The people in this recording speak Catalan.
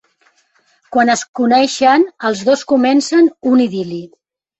Quan es coneixen, els dos comencen un idil·li.